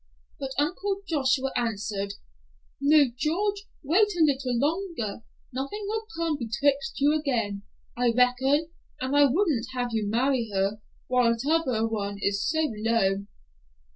But Uncle Joshua answered, "No, George, wait a little longer. Nuthin' 'll come betwixt you again, I reckon, and I wouldn't have you marry her while t'other one is so low."